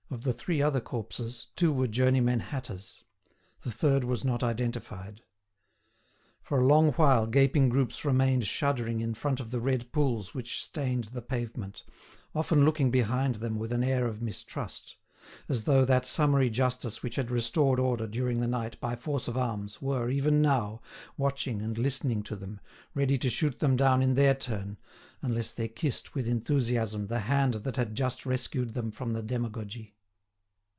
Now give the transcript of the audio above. Of the three other corpses, two were journeymen hatters; the third was not identified. For a long while gaping groups remained shuddering in front of the red pools which stained the pavement, often looking behind them with an air of mistrust, as though that summary justice which had restored order during the night by force of arms, were, even now, watching and listening to them, ready to shoot them down in their turn, unless they kissed with enthusiasm the hand that had just rescued them from the demagogy.